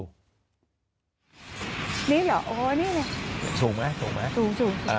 สูงไหมสูงสูง